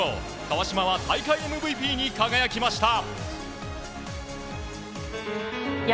川島は大会ＭＶＰに輝きました。